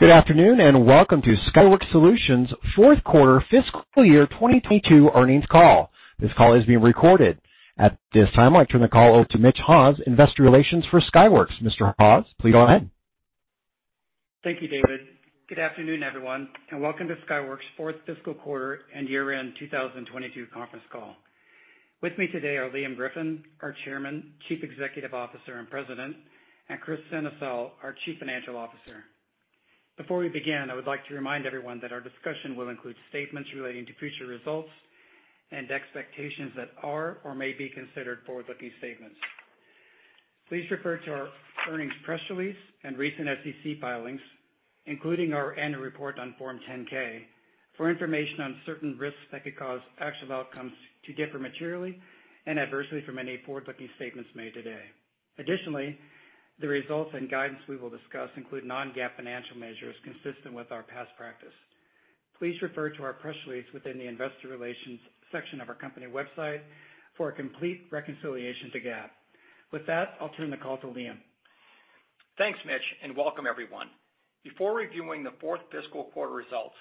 Good afternoon, and welcome to Skyworks Solutions fourth quarter fiscal year 2022 earnings call. This call is being recorded. At this time, I'd like to turn the call over to Mitch Haws, Investor Relations for Skyworks. Mr. Haws, please go ahead. Thank you, David. Good afternoon, everyone, and welcome to Skyworks' fourth fiscal quarter and year-end 2022 conference call. With me today are Liam Griffin, our Chairman, Chief Executive Officer, and President, and Kris Sennesael, our Chief Financial Officer. Before we begin, I would like to remind everyone that our discussion will include statements relating to future results and expectations that are or may be considered forward-looking statements. Please refer to our earnings press release and recent SEC filings, including our annual report on Form 10-K, for information on certain risks that could cause actual outcomes to differ materially and adversely from any forward-looking statements made today. Additionally, the results and guidance we will discuss include non-GAAP financial measures consistent with our past practice. Please refer to our press release within the investor relations section of our company website for a complete reconciliation to GAAP. With that, I'll turn the call to Liam. Thanks, Mitch, and welcome everyone. Before reviewing the fourth fiscal quarter results,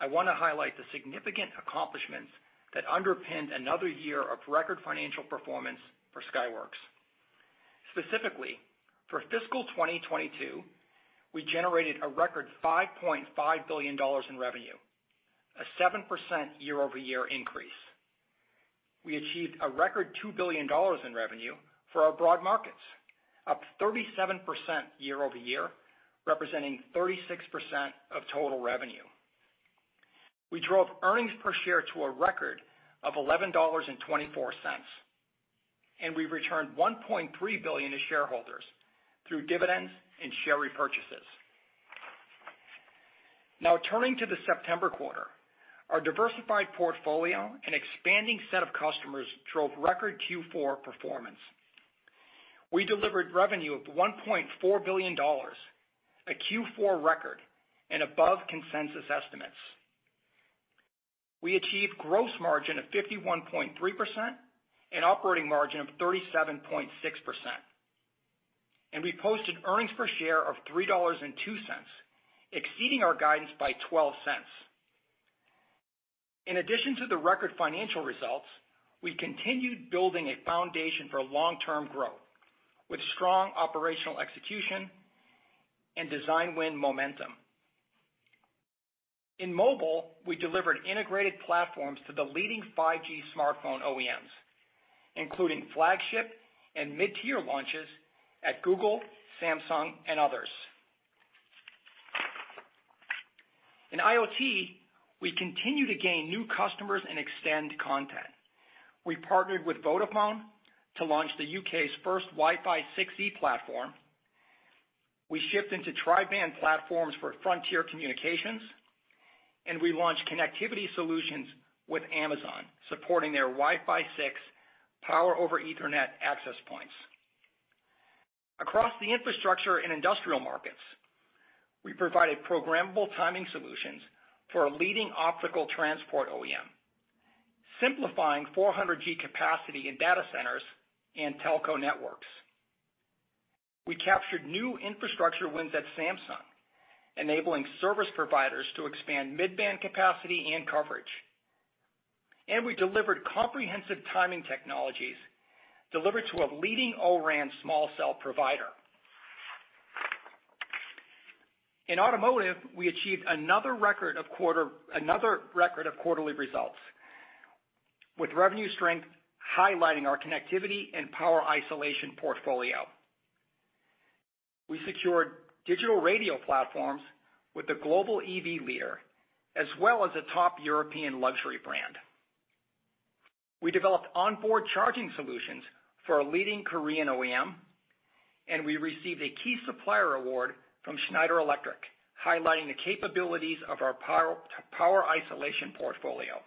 I wanna highlight the significant accomplishments that underpinned another year of record financial performance for Skyworks. Specifically, for fiscal 2022, we generated a record $5.5 billion in revenue, a 7% year-over-year increase. We achieved a record $2 billion in revenue for our broad markets, up 37% year-over-year, representing 36% of total revenue. We drove earnings per share to a record of $11.24, and we returned $1.3 billion to shareholders through dividends and share repurchases. Now, turning to the September quarter. Our diversified portfolio and expanding set of customers drove record Q4 performance. We delivered revenue of $1.4 billion, a Q4 record, and above consensus estimates. We achieved gross margin of 51.3% and operating margin of 37.6%, and we posted earnings per share of $3.02, exceeding our guidance by $0.12. In addition to the record financial results, we continued building a foundation for long-term growth with strong operational execution and design win momentum. In mobile, we delivered integrated platforms to the leading 5G smartphone OEMs, including flagship and mid-tier launches at Google, Samsung, and others. In IoT, we continue to gain new customers and extend content. We partnered with Vodafone to launch the U.K.'s first Wi-Fi 6E platform. We shipped into tri-band platforms for Frontier Communications, and we launched connectivity solutions with Amazon, supporting their Wi-Fi 6 power-over-ethernet access points. Across the infrastructure and industrial markets, we provided programmable timing solutions for a leading optical transport OEM, simplifying 400G capacity in data centers and telco networks. We captured new infrastructure wins at Samsung, enabling service providers to expand mid-band capacity and coverage. We delivered comprehensive timing technologies to a leading O-RAN small cell provider. In automotive, we achieved another record quarterly results, with revenue strength highlighting our connectivity and power isolation portfolio. We secured digital radio platforms with the global EV leader, as well as a top European luxury brand. We developed onboard charging solutions for a leading Korean OEM, and we received a key supplier award from Schneider Electric, highlighting the capabilities of our power isolation portfolio.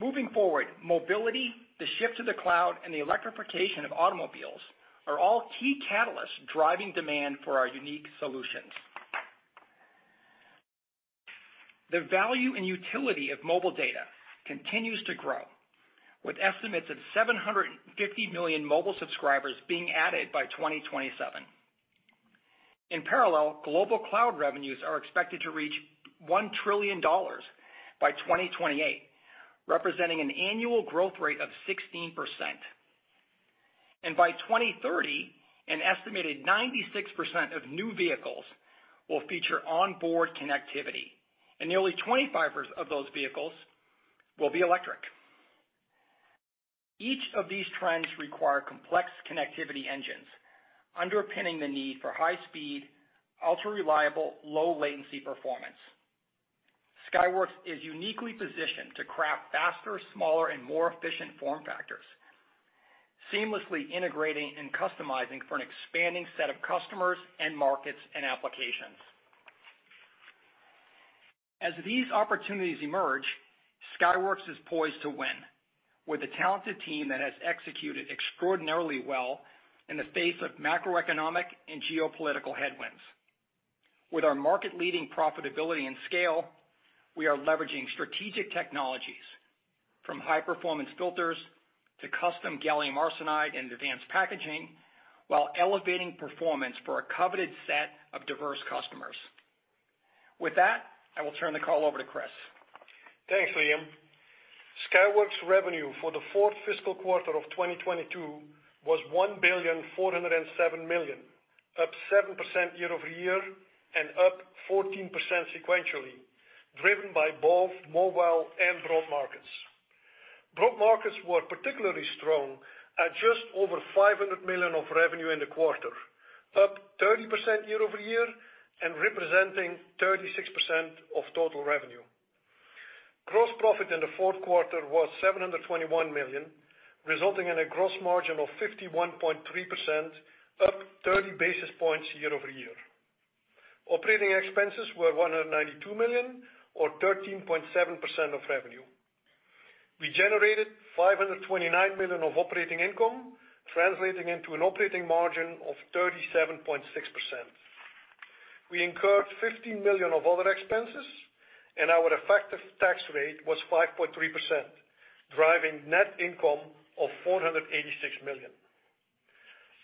Moving forward, mobility, the shift to the cloud, and the electrification of automobiles are all key catalysts driving demand for our unique solutions. The value and utility of mobile data continues to grow, with estimates of 750 million mobile subscribers being added by 2027. In parallel, global cloud revenues are expected to reach $1 trillion by 2028, representing an annual growth rate of 16%. By 2030, an estimated 96% of new vehicles will feature onboard connectivity, and nearly 25% of those vehicles will be electric. Each of these trends require complex connectivity engines, underpinning the need for high speed, ultra-reliable, low latency performance. Skyworks is uniquely positioned to craft faster, smaller, and more efficient form factors, seamlessly integrating and customizing for an expanding set of customers and markets and applications. As these opportunities emerge, Skyworks is poised to win with a talented team that has executed extraordinarily well in the face of macroeconomic and geopolitical headwinds. With our market leading profitability and scale, we are leveraging strategic technologies from high-performance filters to custom gallium arsenide and advanced packaging, while elevating performance for a coveted set of diverse customers. With that, I will turn the call over to Kris. Thanks, Liam. Skyworks' revenue for the fourth fiscal quarter of 2022 was $1,407,000,000, up 7% year-over-year and up 14% sequentially, driven by both mobile and broad markets. Broad markets were particularly strong at just over $500 million of revenue in the quarter, up 30% year-over-year and representing 36% of total revenue. Gross profit in the fourth quarter was $721 million, resulting in a gross margin of 51.3%, up 30 basis points year-over-year. Operating expenses were $192 million or 13.7% of revenue. We generated $529 million of operating income, translating into an operating margin of 37.6%. We incurred $50 million of other expenses and our effective tax rate was 5.3%, driving net income of $486 million.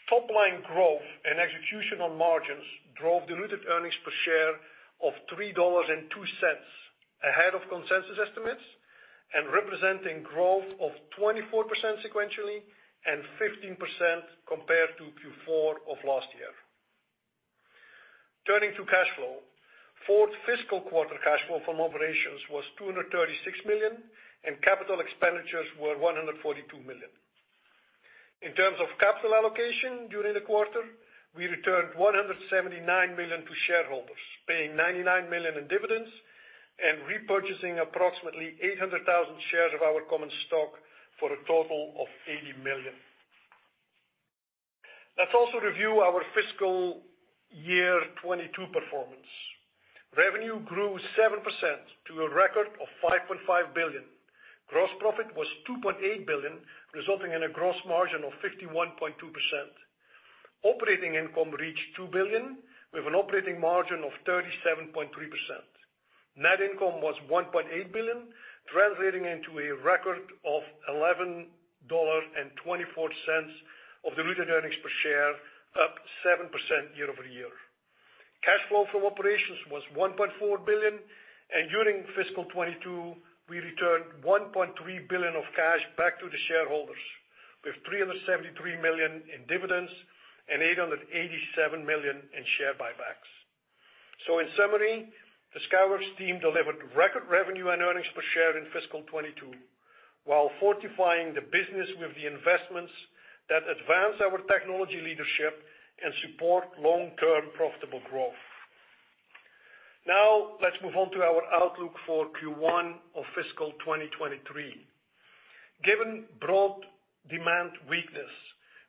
Top line growth and execution on margins drove diluted earnings per share of $3.02, ahead of consensus estimates and representing growth of 24% sequentially and 15% compared to Q4 of last year. Turning to cash flow. Fourth fiscal quarter cash flow from operations was $236 million, and capital expenditures were $142 million. In terms of capital allocation during the quarter, we returned $179 million to shareholders, paying $99 million in dividends and repurchasing approximately 800,000 shares of our common stock for a total of $80 million. Let's also review our fiscal year 2022 performance. Revenue grew 7% to a record of $5.5 billion. Gross profit was $2.8 billion, resulting in a gross margin of 51.2%. Operating income reached $2 billion, with an operating margin of 37.3%. Net income was $1.8 billion, translating into a record of $11.24 diluted earnings per share, up 7% year-over-year. Cash flow from operations was $1.4 billion, and during fiscal 2022, we returned $1.3 billion of cash back to the shareholders, with $373 million in dividends and $887 million in share buybacks. In summary, the Skyworks team delivered record revenue and earnings per share in fiscal 2022 while fortifying the business with the investments that advance our technology leadership and support long-term profitable growth. Now let's move on to our outlook for Q1 of fiscal 2023. Given broad demand weakness,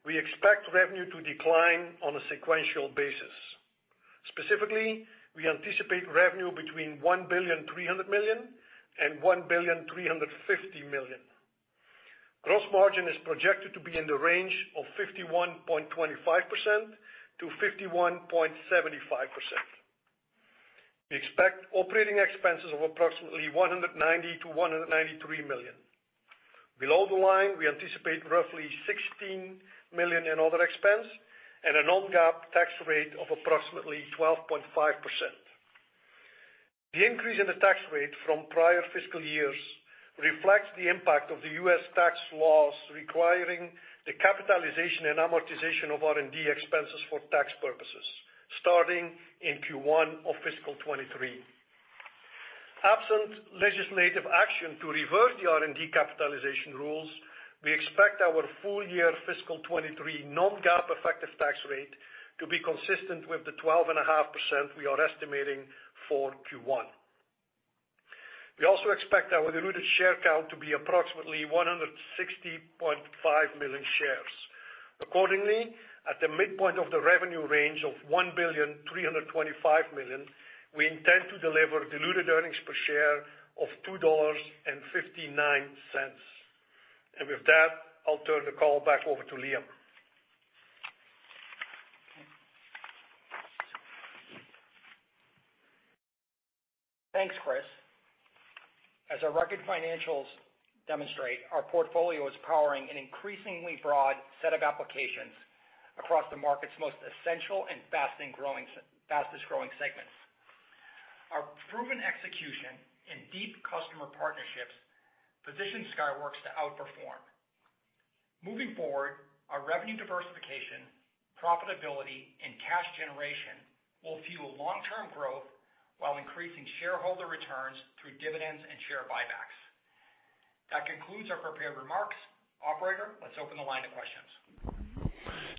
we expect revenue to decline on a sequential basis. Specifically, we anticipate revenue between $1,300,000,000 and $1,350,000,000. Gross margin is projected to be in the range of 51.25%-51.75%. We expect operating expenses of approximately $190 million-$193 million. Below the line, we anticipate roughly $16 million in other expense and a non-GAAP tax rate of approximately 12.5%. The increase in the tax rate from prior fiscal years reflects the impact of the U.S. tax laws requiring the capitalization and amortization of R&D expenses for tax purposes starting in Q1 of fiscal 2023. Absent legislative action to reverse the R&D capitalization rules, we expect our full year fiscal 2023 non-GAAP effective tax rate to be consistent with the 12.5% we are estimating for Q1. We also expect our diluted share count to be approximately 160.5 million shares. Accordingly, at the midpoint of the revenue range of $1,325,000,000, we intend to deliver diluted earnings per share of $2.59. With that, I'll turn the call back over to Liam. Thanks, Kris. As our record financials demonstrate, our portfolio is powering an increasingly broad set of applications across the market's most essential and fastest-growing segments. Our proven execution and deep customer partnerships position Skyworks to outperform. Moving forward, our revenue diversification, profitability, and cash generation will fuel long-term growth while increasing shareholder returns through dividends and share buybacks. That concludes our prepared remarks. Operator, let's open the line of questions.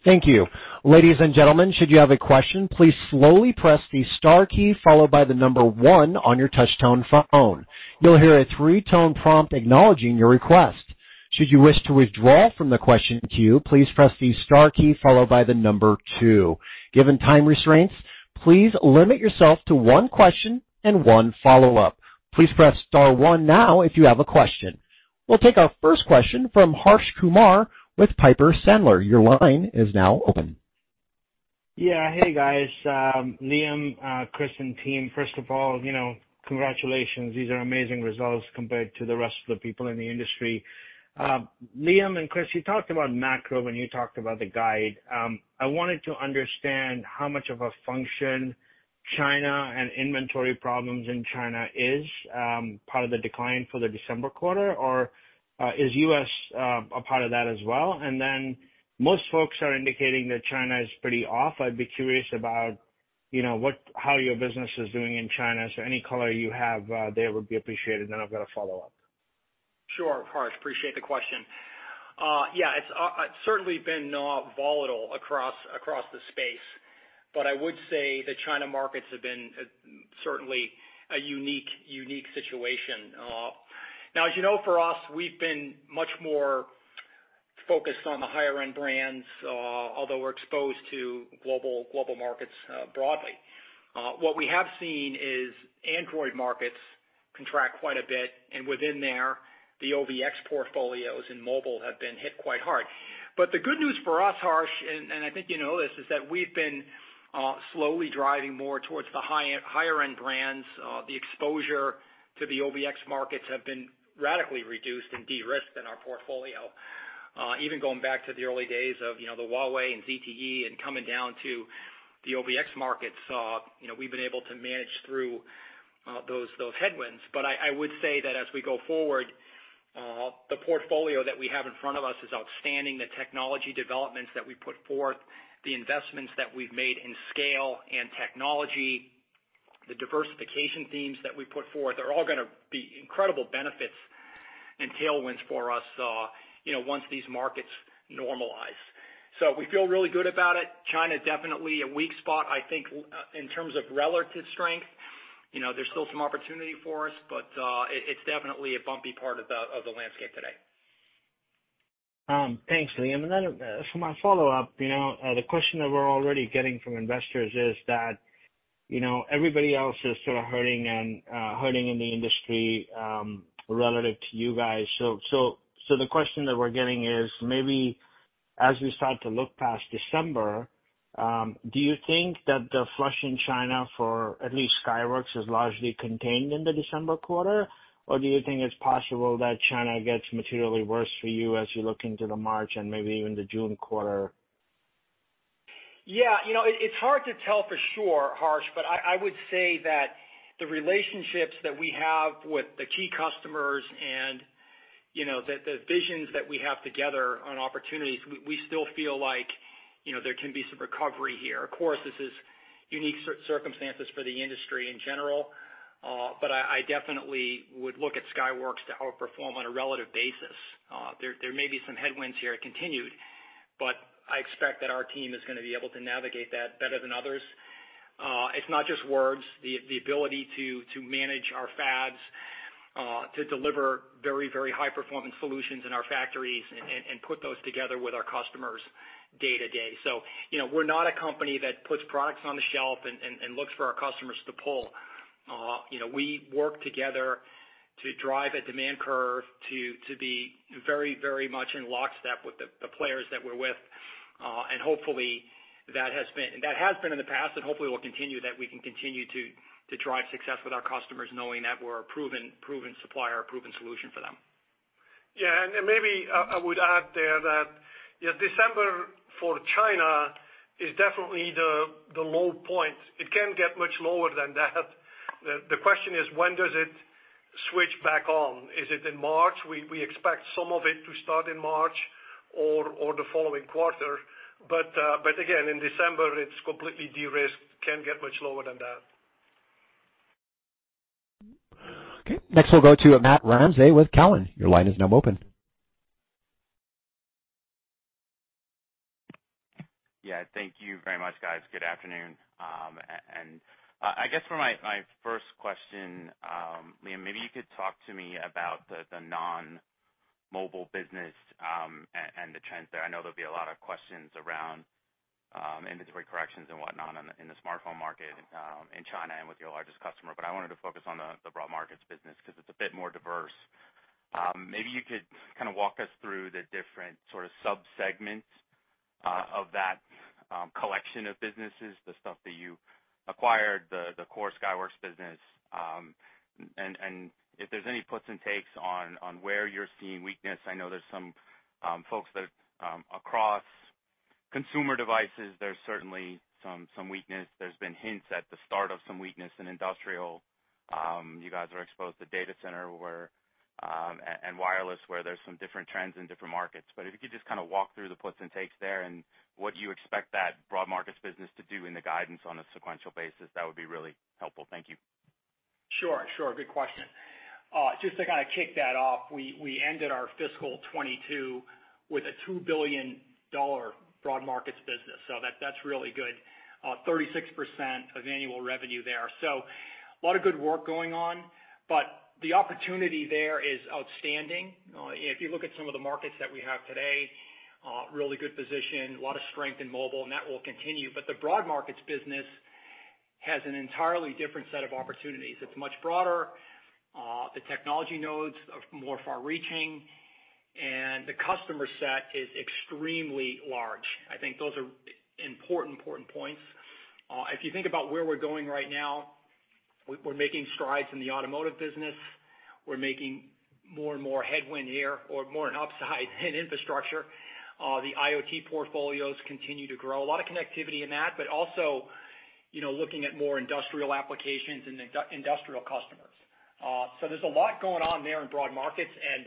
Thank you. Ladies and gentlemen, should you have a question, please slowly press the star key followed by the number one on your touch-tone phone. You'll hear a three-tone prompt acknowledging your request. Should you wish to withdraw from the question queue, please press the star key followed by the number two. Given time restraints, please limit yourself to one question and one follow-up. Please press star one now if you have a question. We'll take our first question from Harsh Kumar with Piper Sandler. Your line is now open. Yeah. Hey, guys. Liam, Kris, and team, first of all, you know, congratulations. These are amazing results compared to the rest of the people in the industry. Liam and Kris, you talked about macro when you talked about the guide. I wanted to understand how much of a function China and inventory problems in China is part of the decline for the December quarter, or is U.S. a part of that as well? Most folks are indicating that China is pretty off. I'd be curious about, you know, how your business is doing in China. Any color you have there would be appreciated. I've got a follow-up. Sure, Harsh. Appreciate the question. Yeah, it's certainly been volatile across the space, but I would say the China markets have been certainly a unique situation. Now, as you know, for us, we've been much more focused on the higher-end brands, although we're exposed to global markets broadly. What we have seen is Android markets contract quite a bit, and within there, the OVX portfolios in mobile have been hit quite hard. The good news for us, Harsh, and I think you know this, is that we've been slowly driving more towards the higher-end brands. The exposure to the OVX markets have been radically reduced and de-risked in our portfolio. Even going back to the early days of, you know, the Huawei and ZTE and coming down to the OVX markets, you know, we've been able to manage through those headwinds. I would say that as we go forward, the portfolio that we have in front of us is outstanding. The technology developments that we put forth, the investments that we've made in scale and technology, the diversification themes that we put forth are all gonna be incredible benefits and tailwinds for us, you know, once these markets normalize. We feel really good about it. China, definitely a weak spot. I think in terms of relative strength, you know, there's still some opportunity for us, but it's definitely a bumpy part of the landscape today. Thanks, Liam. Then for my follow-up, you know, the question that we're already getting from investors is that, you know, everybody else is sort of hurting in the industry relative to you guys. The question that we're getting is, maybe as we start to look past December, do you think that the flush in China for at least Skyworks is largely contained in the December quarter? Or do you think it's possible that China gets materially worse for you as you look into the March and maybe even the June quarter? Yeah. You know, it's hard to tell for sure, Harsh, but I would say that the relationships that we have with the key customers and, you know, the visions that we have together on opportunities, we still feel like, you know, there can be some recovery here. Of course, this is unique circumstances for the industry in general, but I definitely would look at Skyworks to help perform on a relative basis. There may be some headwinds here continued, but I expect that our team is gonna be able to navigate that better than others. It's not just words, the ability to manage our fabs, to deliver very, very high-performance solutions in our factories and put those together with our customers day to day. You know, we're not a company that puts products on the shelf and looks for our customers to pull. You know, we work together to drive a demand curve to be very, very much in lockstep with the players that we're with. Hopefully that has been in the past, and hopefully will continue that we can continue to drive success with our customers, knowing that we're a proven supplier, a proven solution for them. Yeah. Maybe I would add there that, you know, December for China is definitely the low point. It can't get much lower than that. The question is, when does it switch back on? Is it in March? We expect some of it to start in March or the following quarter. Again, in December, it's completely de-risked, can't get much lower than that. Okay. Next, we'll go to Matt Ramsay with Cowen. Your line is now open. Yeah. Thank you very much, guys. Good afternoon. I guess for my first question, Liam, maybe you could talk to me about the non-mobile business and the trends there. I know there'll be a lot of questions around inventory corrections and whatnot in the smartphone market in China and with your largest customer, but I wanted to focus on the broad markets business because it's a bit more diverse. Maybe you could kinda walk us through the different sort of sub-segments of that collection of businesses, the stuff that you acquired, the core Skyworks business, and if there's any puts and takes on where you're seeing weakness. I know there's some folks that across consumer devices, there's certainly some weakness. There's been hints at the start of some weakness in industrial. You guys are exposed to data center where, and wireless, where there's some different trends in different markets. But if you could just kinda walk through the puts and takes there and what you expect that broad markets business to do in the guidance on a sequential basis, that would be really helpful. Thank you. Sure. Good question. Just to kinda kick that off, we ended our fiscal 2022 with a $2 billion broad markets business, so that's really good. 36% of annual revenue there. A lot of good work going on, but the opportunity there is outstanding. If you look at some of the markets that we have today, really good position, a lot of strength in mobile, and that will continue. The broad markets business has an entirely different set of opportunities. It's much broader, the technology nodes are more far-reaching, and the customer set is extremely large. I think those are important points. If you think about where we're going right now, we're making strides in the automotive business. We're making more and more headway here or more upside in infrastructure. The IoT portfolios continue to grow. A lot of connectivity in that, but also, you know, looking at more industrial applications and industrial customers. There's a lot going on there in broad markets and,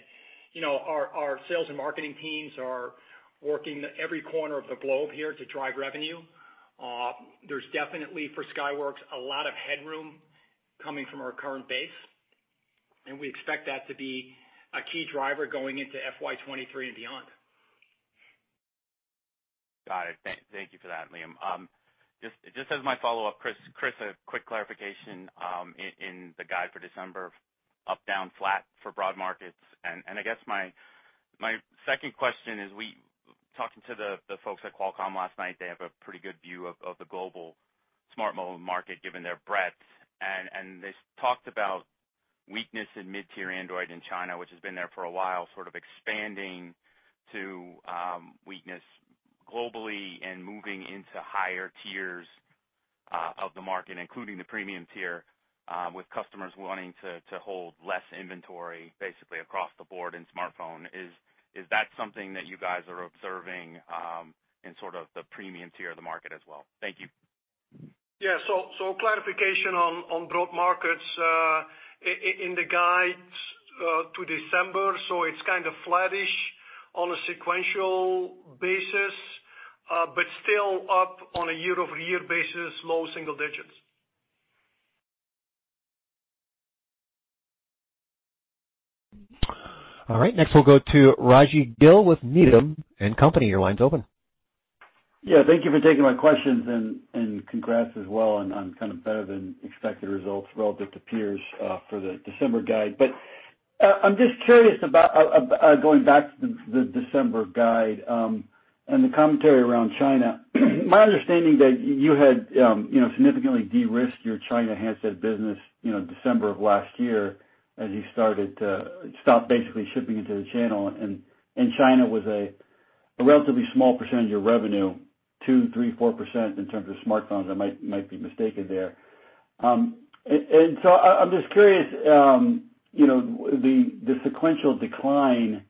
you know, our sales and marketing teams are working every corner of the globe here to drive revenue. There's definitely for Skyworks, a lot of headroom coming from our current base, and we expect that to be a key driver going into FY 2023 and beyond. Got it. Thank you for that, Liam. Just as my follow-up, Kris, a quick clarification in the guide for December, up, down, flat for broad markets. I guess my second question is talking to the folks at Qualcomm last night, they have a pretty good view of the global smart mobile market given their breadth. They talked about weakness in mid-tier Android in China, which has been there for a while, sort of expanding to weakness globally and moving into higher tiers of the market, including the premium tier, with customers wanting to hold less inventory basically across the board in smartphone. Is that something that you guys are observing in sort of the premium tier of the market as well? Thank you. Clarification on broad markets in the guides to December. It's kind of flattish on a sequential basis, but still up on a year-over-year basis, low single digits. All right, next we'll go to Raji Gill with Needham & Company. Your line's open. Yeah, thank you for taking my questions and congrats as well on kind of better than expected results relative to peers for the December guide. I'm just curious about going back to the December guide and the commentary around China. My understanding that you had you know significantly de-risked your China handset business you know December of last year as you started to stop basically shipping into the channel and China was a relatively small percentage of revenue 2%, 3%, 4% in terms of smartphones. I might be mistaken there. I'm just curious you know the sequential decline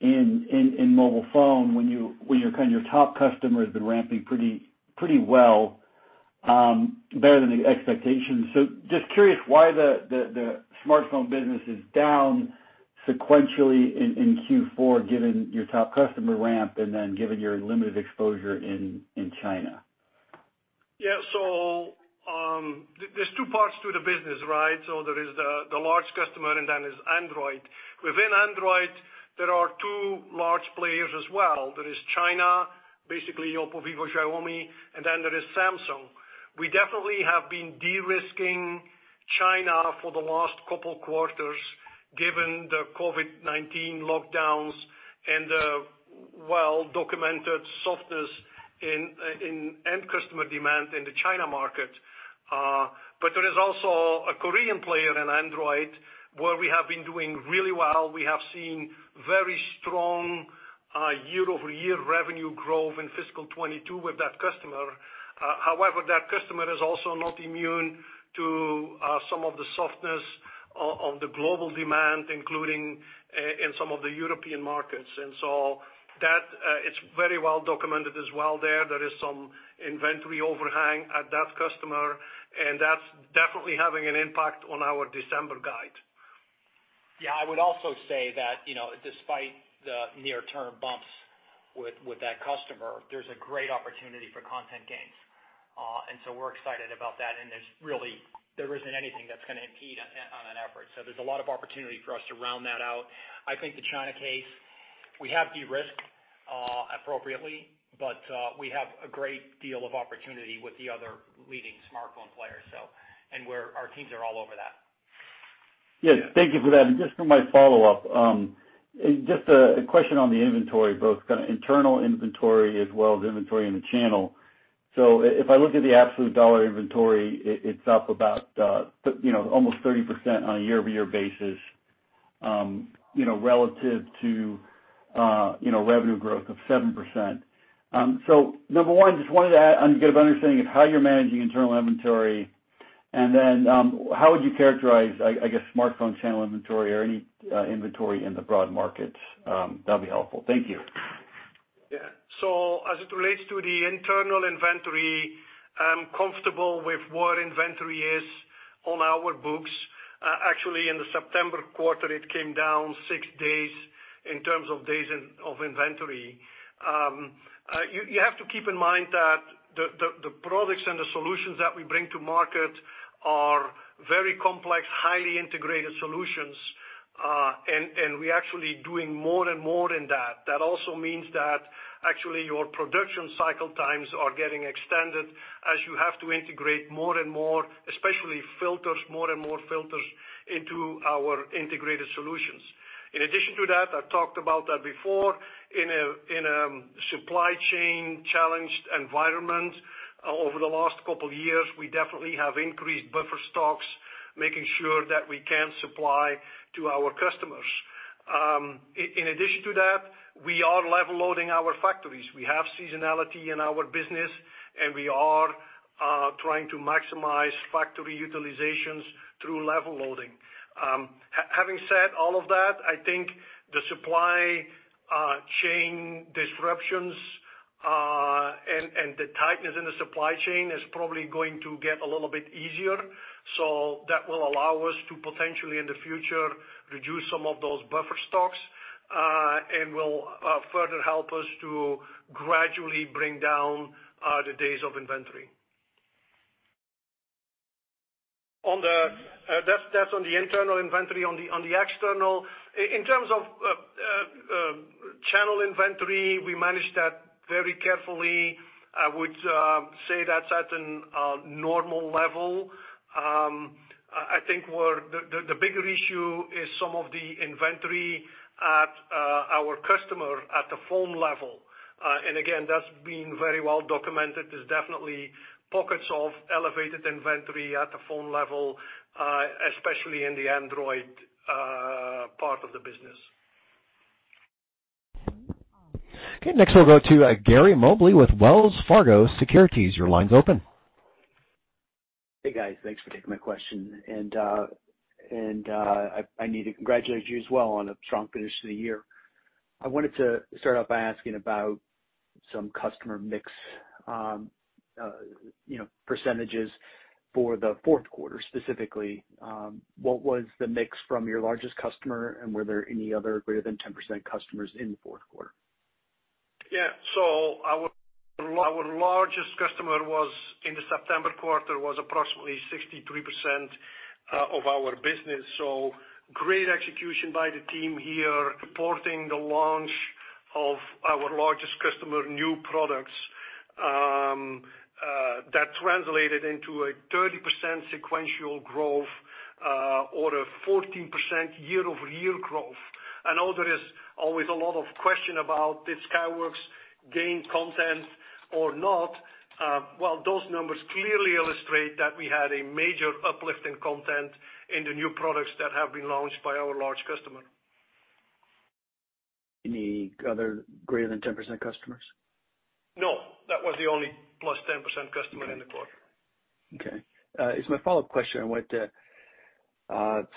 in mobile phone when your kind of top customer has been ramping pretty well, better than expectations. Just curious why the smartphone business is down sequentially in Q4, given your top customer ramp and then given your limited exposure in China. Yeah. There's two parts to the business, right? There is the large customer, and then there's Android. Within Android, there are two large players as well. There is China, basically OPPO, vivo, Xiaomi, and then there is Samsung. We definitely have been de-risking China for the last couple quarters given the COVID-19 lockdowns and the well-documented softness in end customer demand in the China market. There is also a Korean player in Android where we have been doing really well. We have seen very strong year-over-year revenue growth in fiscal 2022 with that customer. However, that customer is also not immune to some of the softness of the global demand, including in some of the European markets. It's very well documented as well there. There is some inventory overhang at that customer, and that's definitely having an impact on our December guide. Yeah. I would also say that, you know, despite the near-term bumps with that customer, there's a great opportunity for content gains. We're excited about that, and there isn't anything that's gonna impede on that effort. There's a lot of opportunity for us to round that out. I think the China case, we have de-risked appropriately, but we have a great deal of opportunity with the other leading smartphone players. Our teams are all over that. Yes. Thank you for that. Just for my follow-up, just a question on the inventory, both kinda internal inventory as well as inventory in the channel. If I look at the absolute dollar inventory, it's up about, you know, almost 30% on a year-over-year basis, you know, relative to, you know, revenue growth of 7%. Number one, just wanted to get an understanding of how you're managing internal inventory, and then, how would you characterize, I guess, smartphone channel inventory or any, inventory in the broad markets? That'd be helpful. Thank you. Yeah. As it relates to the internal inventory, I'm comfortable with where inventory is on our books. Actually, in the September quarter, it came down six days in terms of days of inventory. You have to keep in mind that the products and the solutions that we bring to market are very complex, highly integrated solutions, and we're actually doing more and more in that. That also means that actually your production cycle times are getting extended as you have to integrate more and more, especially filters, more and more filters into our integrated solutions. In addition to that, I've talked about that before, in a supply chain challenged environment over the last couple of years, we definitely have increased buffer stocks, making sure that we can supply to our customers. In addition to that, we are level loading our factories. We have seasonality in our business, and we are trying to maximize factory utilizations through level loading. Having said all of that, I think the supply chain disruptions and the tightness in the supply chain is probably going to get a little bit easier. That will allow us to potentially in the future reduce some of those buffer stocks and will further help us to gradually bring down the days of inventory. That's on the internal inventory. On the external, in terms of channel inventory, we manage that very carefully. I would say that's at a normal level. I think where the bigger issue is some of the inventory at our customer at the phone level. Again, that's been very well documented. There's definitely pockets of elevated inventory at the phone level, especially in the Android part of the business. Okay. Next, we'll go to Gary Mobley with Wells Fargo Securities. Your line's open. Hey, guys. Thanks for taking my question. I need to congratulate you as well on a strong finish to the year. I wanted to start off by asking about some customer mix, you know, percentages for the fourth quarter. Specifically, what was the mix from your largest customer, and were there any other greater than 10% customers in the fourth quarter? Yeah. Our largest customer was in the September quarter approximately 63% of our business. Great execution by the team here, supporting the launch of our largest customer new products. That translated into a 30% sequential growth, or a 14% year-over-year growth. I know there is always a lot of question about, did Skyworks gain content or not? Well, those numbers clearly illustrate that we had a major uplift in content in the new products that have been launched by our large customer. Any other greater than 10% customers? No, that was the only +10% customer in the quarter. Okay. As my follow-up question, I wanted to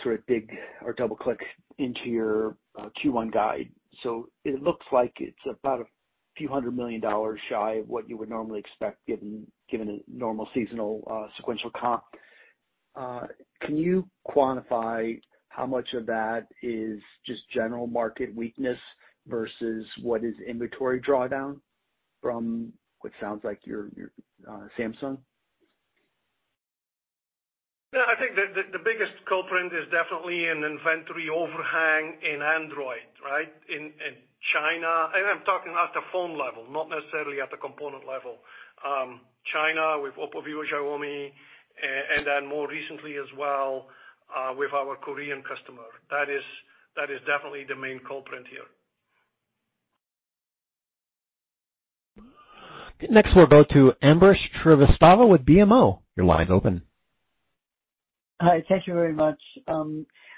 sort of dig or double-click into your Q1 guide. It looks like it's about a few hundred million dollars shy of what you would normally expect given a normal seasonal sequential comp. Can you quantify how much of that is just general market weakness versus what is inventory drawdown from what sounds like your Samsung? Yeah. I think the biggest culprit is definitely an inventory overhang in Android, right? In China. I'm talking at the phone level, not necessarily at the component level. China with OPPO, vivo, Xiaomi, and then more recently as well, with our Korean customer. That is definitely the main culprit here. Next, we'll go to Ambrish Srivastava with BMO. Your line is open. Hi, thank you very much.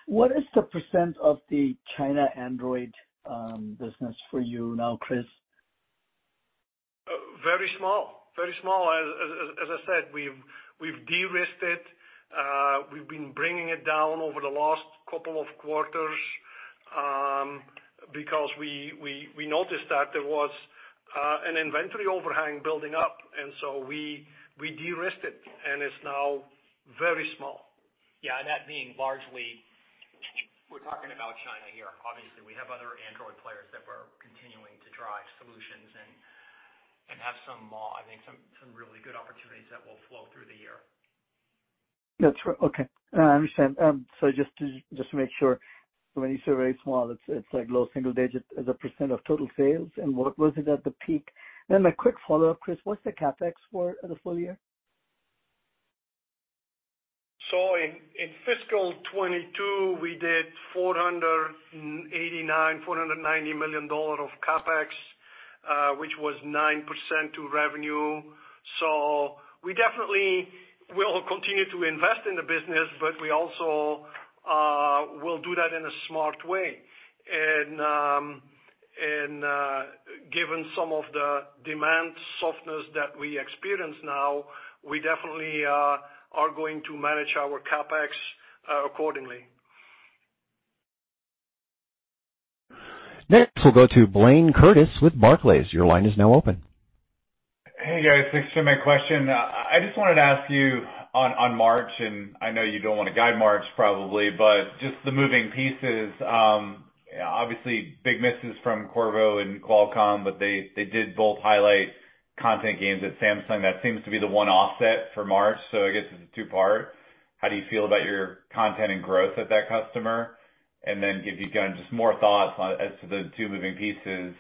What is the percent of the China Android business for you now, Kris? Very small. As I said, we've de-risked it. We've been bringing it down over the last couple of quarters, because we noticed that there was an inventory overhang building up, and so we de-risked it and it's now very small. Yeah, and that being largely, we're talking about China here. Obviously, we have other Android players that we're continuing to drive solutions and have some more, I think, some really good opportunities that will flow through the year. That's right. Okay. I understand. Just to make sure, when you say very small, it's like low single digit as a percent of total sales? What was it at the peak? A quick follow-up, Kris, what's the CapEx for the full year? In fiscal 2022, we did $490 million of CapEx, which was 9% of revenue. We definitely will continue to invest in the business, but we also will do that in a smart way. Given some of the demand softness that we experience now, we definitely are going to manage our CapEx accordingly. Next, we'll go to Blayne Curtis with Barclays. Your line is now open. Hey, guys. Thanks for my question. I just wanted to ask you on March, and I know you don't wanna guide March probably, but just the moving pieces. Obviously big misses from Qorvo and Qualcomm, but they did both highlight content gains at Samsung. That seems to be the one offset for March. I guess this is two-part. How do you feel about your content and growth at that customer? And then if you've got just more thoughts on as to the two moving pieces.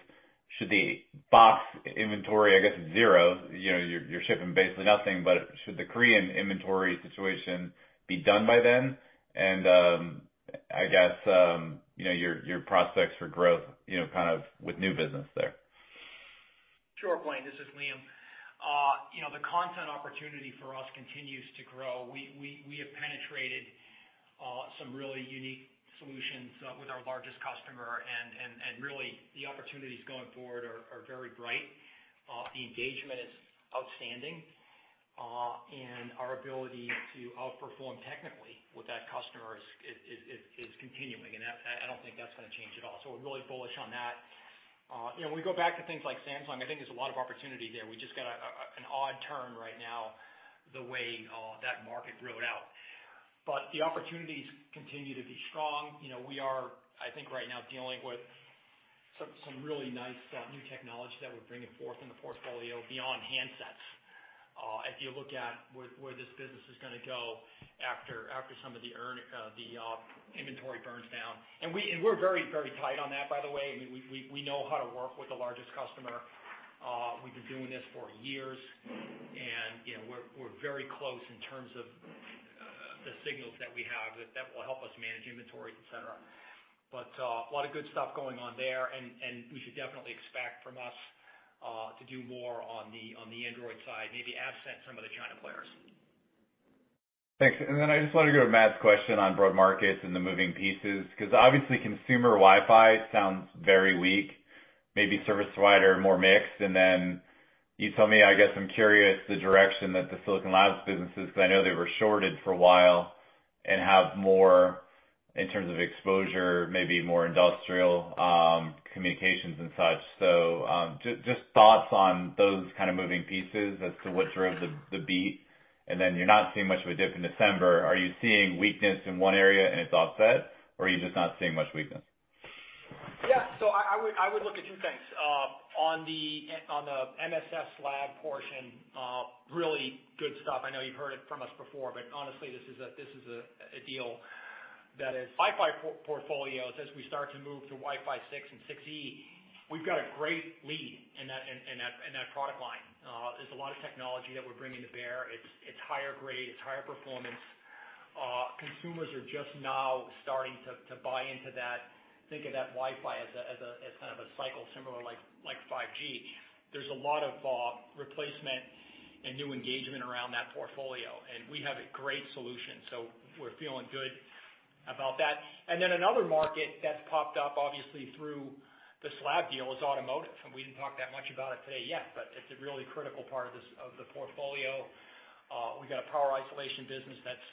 Should the box inventory, I guess, zero, you know, you're shipping basically nothing, but should the Korean inventory situation be done by then? And I guess you know, your prospects for growth, you know, kind of with new business there. Sure, Blayne. This is Liam. You know, the content opportunity for us continues to grow. We have penetrated some really unique solutions with our largest customer, and really the opportunities going forward are very bright. The engagement is outstanding. And our ability to outperform technically with that customer is continuing, and that. I don't think that's gonna change at all. We're really bullish on that. You know, when we go back to things like Samsung, I think there's a lot of opportunity there. We just got an odd turn right now the way that market rolled out. The opportunities continue to be strong. You know, we are, I think right now, dealing with some really nice new technology that we're bringing forth in the portfolio beyond handsets. If you look at where this business is gonna go after some of the inventory burns down. We're very tight on that, by the way. I mean, we know how to work with the largest customer. We've been doing this for years, and you know, we're very close in terms of the signals that we have that will help us manage inventory, et cetera. A lot of good stuff going on there and you should definitely expect from us to do more on the Android side, maybe absent some of the China players. Thanks. Then I just wanna go to Matt's question on broad markets and the moving pieces, 'cause obviously consumer Wi-Fi sounds very weak, maybe service provider more mixed. You tell me, I guess I'm curious the direction that the Silicon Labs businesses, 'cause I know they were shorted for a while and have more in terms of exposure, maybe more industrial, communications and such. Just thoughts on those kind of moving pieces as to what drove the beat. You're not seeing much of a dip in December. Are you seeing weakness in one area and it's offset, or are you just not seeing much weakness? Yeah. I would look at two things. On the MSS lab portion, really good stuff. I know you've heard it from us before, but honestly, this is a deal that is Wi-Fi portfolios as we start to move to Wi-Fi 6 and 6E. We've got a great lead in that product line. There's a lot of technology that we're bringing to bear. It's higher grade, it's higher performance. Consumers are just now starting to buy into that, think of that Wi-Fi as a kind of cycle similar like 5G. There's a lot of replacement and new engagement around that portfolio, and we have a great solution. We're feeling good about that. Then another market that's popped up obviously through the SLAB deal is automotive, and we didn't talk that much about it today yet, but it's a really critical part of this, of the portfolio. We've got a power isolation business that's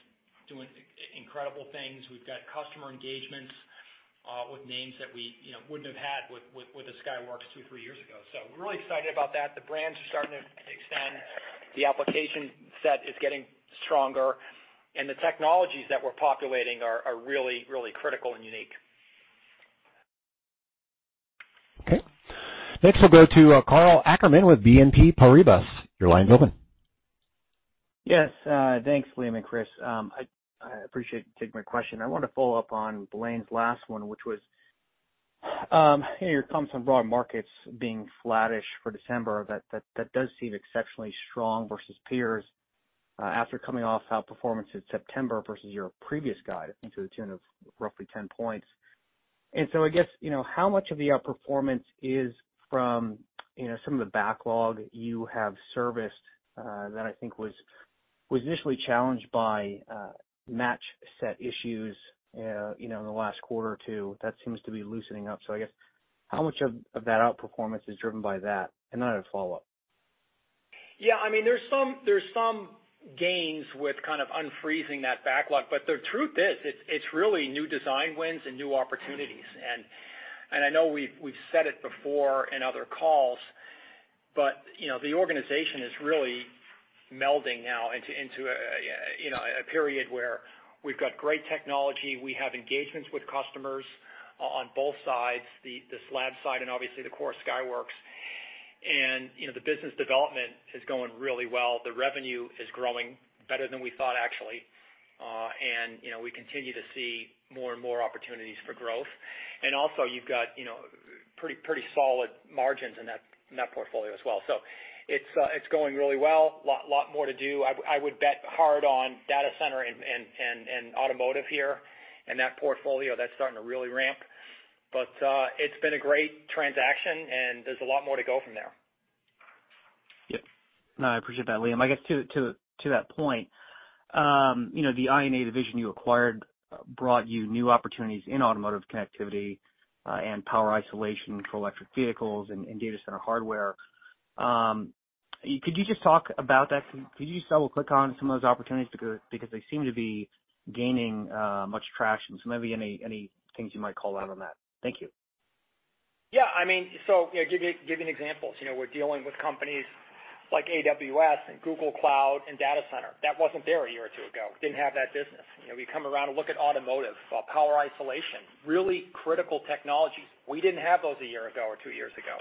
doing incredible things. We've got customer engagements with names that we, you know, wouldn't have had with the Skyworks two, three years ago. We're really excited about that. The brands are starting to extend. The application set is getting stronger, and the technologies that we're populating are really critical and unique. Okay. Next we'll go to Karl Ackerman with BNP Paribas. Your line's open. Yes, thanks, Liam and Kris. I appreciate you taking my question. I wanted to follow up on Blayne's last one, which was, you know, your comments on broad markets being flattish for December, that does seem exceptionally strong versus peers, after coming off outperformance in September versus your previous guide to the tune of roughly 10 points. I guess, you know, how much of the outperformance is from, you know, some of the backlog you have serviced, that I think was initially challenged by matched set issues, you know, in the last quarter or two that seems to be loosening up. I guess how much of that outperformance is driven by that? Then I have a follow-up. Yeah. I mean, there's some gains with kind of unfreezing that backlog, but the truth is, it's really new design wins and new opportunities. I know we've said it before in other calls, but you know, the organization is really melding now into a period where we've got great technology. We have engagements with customers on both sides, the slab side and obviously the core Skyworks. You know, the business development is going really well. The revenue is growing better than we thought actually. You know, we continue to see more and more opportunities for growth. Also you've got pretty solid margins in that portfolio as well. It's going really well. Lot more to do. I would bet hard on data center and automotive here and that portfolio that's starting to really ramp. It's been a great transaction and there's a lot more to go from there. Yep. No, I appreciate that, Liam. I guess to that point, you know, the I&A division you acquired brought you new opportunities in automotive connectivity, and power isolation for electric vehicles and data center hardware. Could you just talk about that? Could you just double click on some of those opportunities because they seem to be gaining much traction. Maybe any things you might call out on that. Thank you. Yeah, I mean, so, you know, give you an example. You know, we're dealing with companies like AWS and Google Cloud and data center. That wasn't there a year or two ago. Didn't have that business. You know, we come around and look at automotive, power isolation, really critical technology. We didn't have those a year ago or two years ago.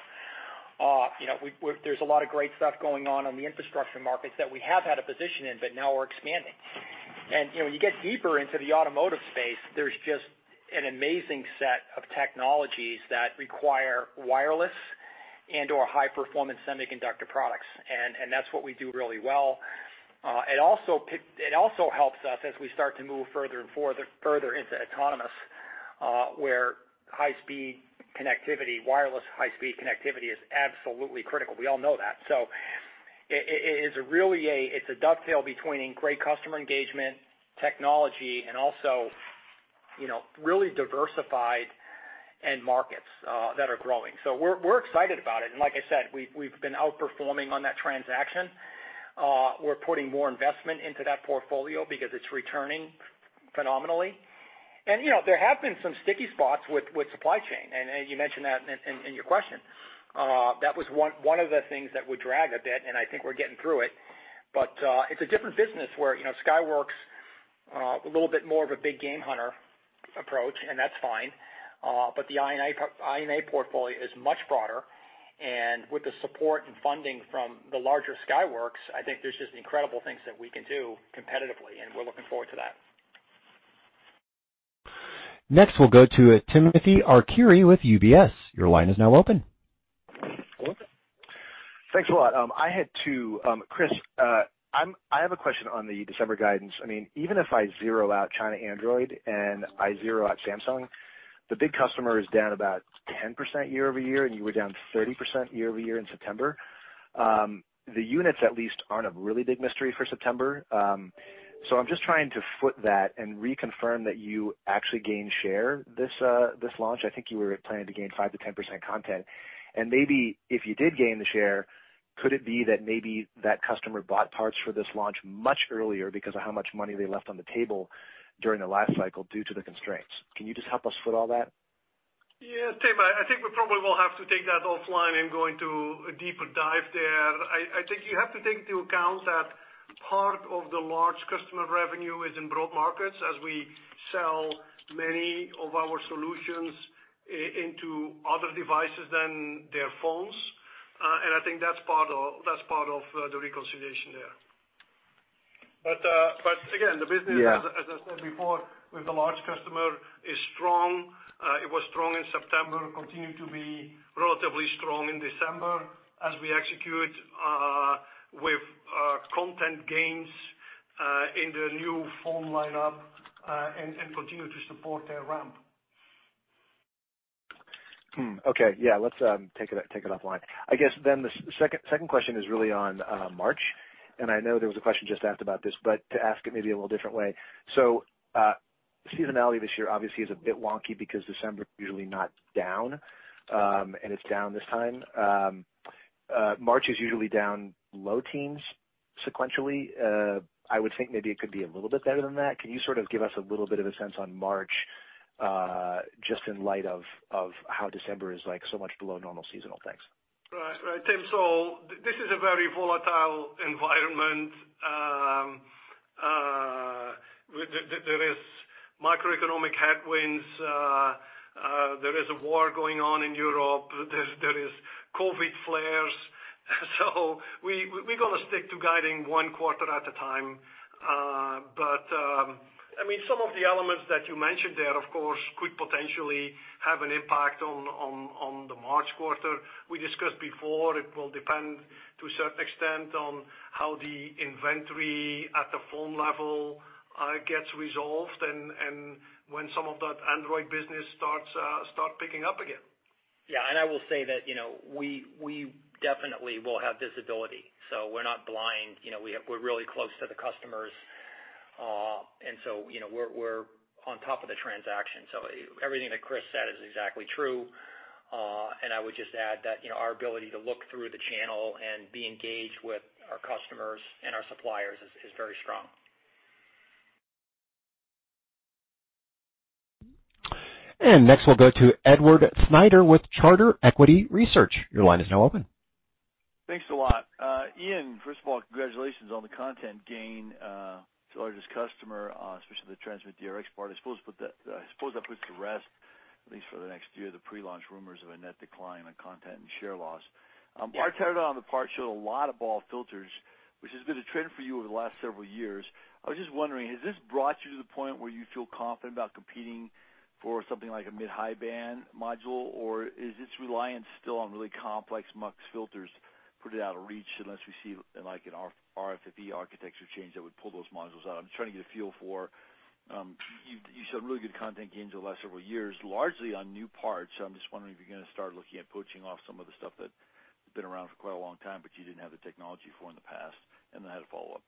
You know, there's a lot of great stuff going on in the infrastructure markets that we have had a position in, but now we're expanding. You know, when you get deeper into the automotive space, there's just an amazing set of technologies that require wireless and/or high-performance semiconductor products. And that's what we do really well. It also helps us as we start to move further and further into autonomous, where high speed connectivity, wireless high speed connectivity is absolutely critical. We all know that. It's really a dovetail between great customer engagement, technology, and also, you know, really diversified end markets that are growing. We're excited about it. Like I said, we've been outperforming on that transaction. We're putting more investment into that portfolio because it's returning phenomenally. You know, there have been some sticky spots with supply chain, and you mentioned that in your question. That was one of the things that would drag a bit, and I think we're getting through it. It's a different business where, you know, Skyworks, a little bit more of a big game hunter approach, and that's fine. The I&A portfolio is much broader. With the support and funding from the larger Skyworks, I think there's just incredible things that we can do competitively, and we're looking forward to that. Next, we'll go to Timothy Arcuri with UBS. Your line is now open. Thanks a lot. Kris, I have a question on the December guidance. I mean, even if I zero out China Android and I zero out Samsung, the big customer is down about 10% year-over-year, and you were down 30% year-over-year in September. The units at least aren't a really big mystery for September. So I'm just trying to foot that and reconfirm that you actually gained share this launch. I think you were planning to gain 5%-10% content. Maybe if you did gain the share, could it be that maybe that customer bought parts for this launch much earlier because of how much money they left on the table during the last cycle due to the constraints? Can you just help us foot all that? Yeah. Tim, I think we probably will have to take that offline and go into a deeper dive there. I think you have to take into account that part of the large customer revenue is in broad markets as we sell many of our solutions into other devices than their phones. I think that's part of the reconciliation there. Again, the business. Yeah. As I said before with the large customer, is strong. It was strong in September, continued to be relatively strong in December as we execute with content gains in the new phone lineup and continue to support their ramp. Okay. Yeah, let's take it offline. I guess then the second question is really on March. I know there was a question just asked about this, but to ask it maybe a little different way. Seasonality this year obviously is a bit wonky because December is usually not down, and it's down this time. March is usually down low teens sequentially. I would think maybe it could be a little bit better than that. Can you sort of give us a little bit of a sense on March, just in light of how December is like so much below normal seasonal? Thanks. Right. Tim, this is a very volatile environment. There is macroeconomic headwinds, there is a war going on in Europe, there is COVID flares. We're gonna stick to guiding one quarter at a time. I mean, some of the elements that you mentioned there, of course, could potentially have an impact on the March quarter. We discussed before, it will depend to a certain extent on how the inventory at the phone level gets resolved and when some of that Android business starts picking up again. Yeah. I will say that, you know, we definitely will have visibility, so we're not blind. You know, we're really close to the customers. You know, we're on top of the transaction. Everything that Kris said is exactly true. I would just add that, you know, our ability to look through the channel and be engaged with our customers and our suppliers is very strong. Next, we'll go to Edward Snyder with Charter Equity Research. Your line is now open. Thanks a lot. Liam, first of all, congratulations on the content gain to the largest customer, especially the transmit DRx part. I suppose that puts to rest, at least for the next year, the pre-launch rumors of a net decline on content and share loss. Yeah. Our teardown on the part showed a lot of BAW filters, which has been a trend for you over the last several years. I was just wondering, has this brought you to the point where you feel confident about competing for something like a mid-high band module, or is its reliance still on really complex multiplexer filters put it out of reach unless we see like an RFFE architecture change that would pull those modules out? I'm trying to get a feel for, you showed really good content gains over the last several years, largely on new parts. I'm just wondering if you're gonna start looking at poaching off some of the stuff that's been around for quite a long time, but you didn't have the technology for in the past. I had a follow-up.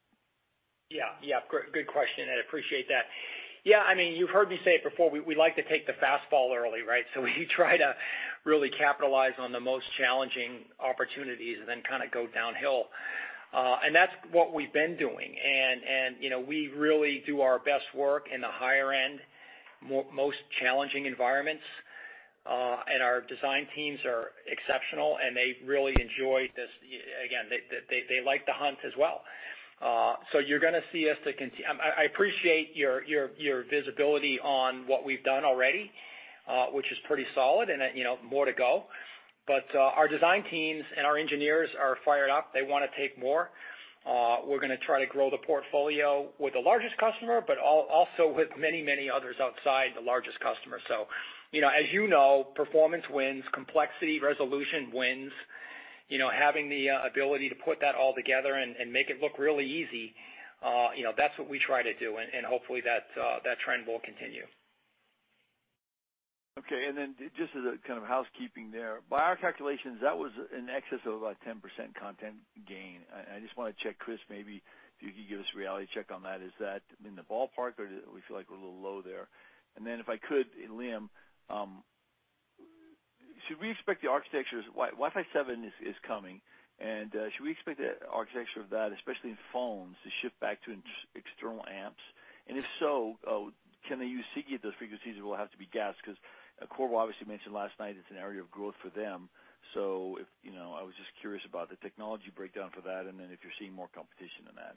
Yeah. Good question, Ed. Appreciate that. Yeah, I mean, you've heard me say it before, we like to take the fastball early, right? We try to really capitalize on the most challenging opportunities and then kinda go downhill. That's what we've been doing. You know, we really do our best work in the higher end most challenging environments. Our design teams are exceptional, and they really enjoy this. Again, they like to hunt as well. You're gonna see us. I appreciate your visibility on what we've done already, which is pretty solid and, you know, more to go. Our design teams and our engineers are fired up. They wanna take more. We're gonna try to grow the portfolio with the largest customer, but also with many others outside the largest customer. You know, as you know, performance wins, complexity resolution wins. You know, having the ability to put that all together and make it look really easy, you know, that's what we try to do, and hopefully that trend will continue. Okay. Just as a kind of housekeeping there. By our calculations, that was in excess of about 10% content gain. I just wanna check, Kris, maybe if you could give us a reality check on that. Is that in the ballpark or do we feel like we're a little low there? If I could, and Liam, should we expect the architectures Wi-Fi 7 is coming, and should we expect the architecture of that, especially in phones, to shift back to external amps? If so, can they use CMOS at those frequencies or will it have to be GaAs? 'Cause Qorvo obviously mentioned last night it's an area of growth for them. You know, I was just curious about the technology breakdown for that, if you're seeing more competition in that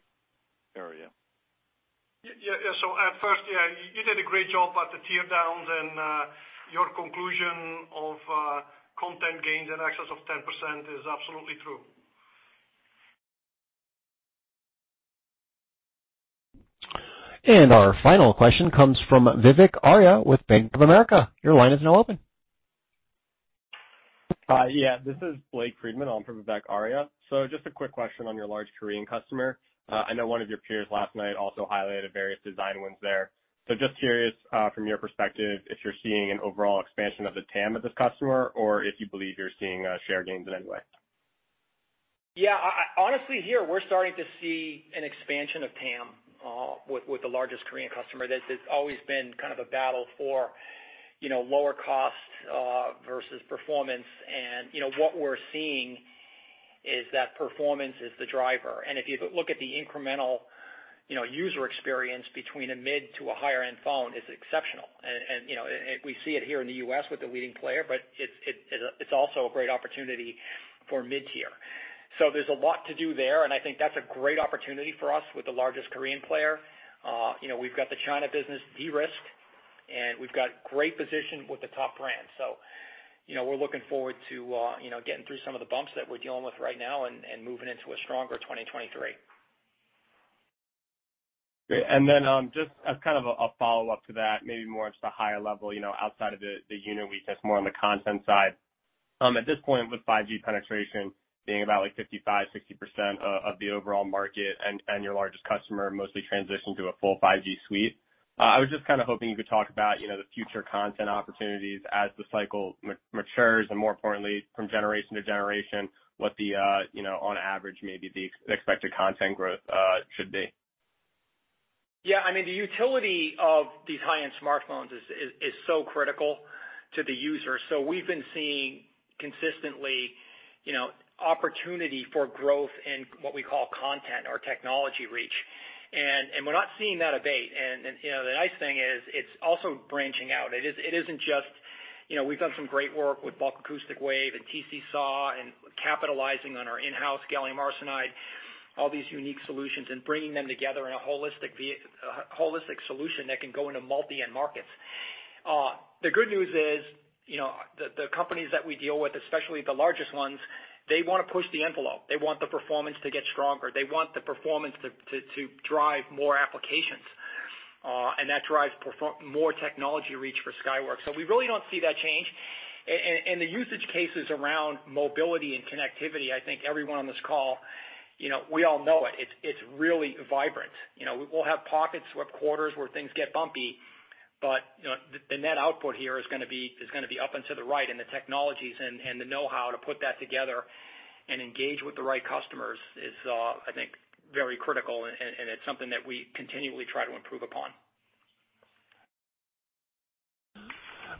area. Yeah, at first, yeah, you did a great job at the teardowns and your conclusion of content gains in excess of 10% is absolutely true. Our final question comes from Vivek Arya with Bank of America. Your line is now open. This is Blake Friedman on from Vivek Arya. Just a quick question on your large Korean customer. I know one of your peers last night also highlighted various design wins there. Just curious, from your perspective, if you're seeing an overall expansion of the TAM of this customer or if you believe you're seeing share gains in any way. Yeah. Honestly, here we're starting to see an expansion of TAM with the largest Korean customer. That's always been kind of a battle for, you know, lower cost versus performance. You know, what we're seeing is that performance is the driver. If you look at the incremental, you know, user experience between a mid to a higher-end phone is exceptional. You know, we see it here in the U.S. with the leading player, but it's also a great opportunity for mid-tier. There's a lot to do there, and I think that's a great opportunity for us with the largest Korean player. You know, we've got the China business de-risked, and we've got great position with the top brands. You know, we're looking forward to, you know, getting through some of the bumps that we're dealing with right now and moving into a stronger 2023. Great. Then, just as kind of a follow-up to that, maybe more just a higher level, you know, outside of the unit weakness, more on the content side. At this point, with 5G penetration being about like 55%-60% of the overall market and your largest customer mostly transitioned to a full 5G suite, I was just kind of hoping you could talk about, you know, the future content opportunities as the cycle matures, and more importantly, from generation to generation, what the, you know, on average, maybe the expected content growth should be. Yeah. I mean, the utility of these high-end smartphones is so critical to the user. We've been seeing consistently, you know, opportunity for growth in what we call content or technology reach. We're not seeing that abate. You know, the nice thing is it's also branching out. It isn't just, you know, we've done some great work with bulk acoustic wave and TC-SAW and capitalizing on our in-house gallium arsenide, all these unique solutions, and bringing them together in a holistic solution that can go into multi-end markets. The good news is, you know, the companies that we deal with, especially the largest ones, they wanna push the envelope. They want the performance to get stronger. They want the performance to drive more applications, and that drives more technology reach for Skyworks. We really don't see that change. The usage cases around mobility and connectivity, I think everyone on this call, you know, we all know it's really vibrant. You know, we'll have pockets where quarters where things get bumpy, but you know, the net output here is gonna be up and to the right, and the technologies and the know-how to put that together and engage with the right customers is, I think, very critical, and it's something that we continually try to improve upon.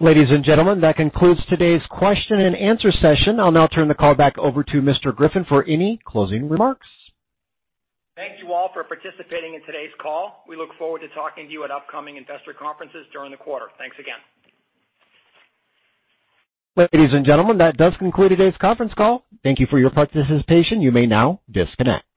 Ladies and gentlemen, that concludes today's question and answer session. I'll now turn the call back over to Mr. Griffin for any closing remarks. Thank you all for participating in today's call. We look forward to talking to you at upcoming investor conferences during the quarter. Thanks again. Ladies and gentlemen, that does conclude today's conference call. Thank you for your participation. You may now disconnect.